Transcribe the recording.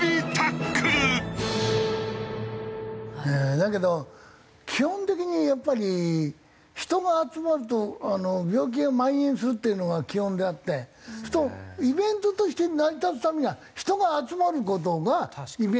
だけど基本的にやっぱり人が集まると病気が蔓延するっていうのが基本であってするとイベントとして成り立つためには人が集まる事がイベントであって。